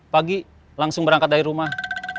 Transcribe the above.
pagi langsung berangkat dari rumah